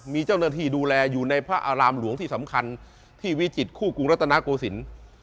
มีเจ้าหน้าที่ดูแลอยู่ในพระอารามหลวงที่สำคัญที่วิจิตคู่กรุงรัฐนาโกศิลป์